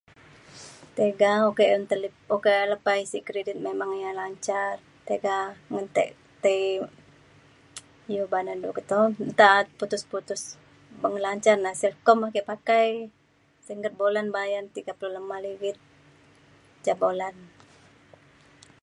tiga un ke okak lepa isi kredit memang ia’ lancar tiga ngan te- tei iu banan du ke toh nta putus putus beng lancar na Celcom ake pakai singget bulan bayan tiga puluh lema ligit ca bulan.